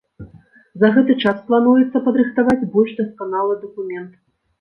За гэты час плануецца падрыхтаваць больш дасканалы дакумент.